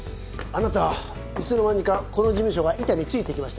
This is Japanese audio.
あなたいつの間にかこの事務所が板についてきましたね。